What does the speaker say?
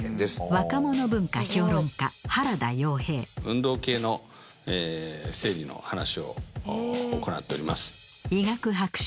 運動系の生理の話を行っております。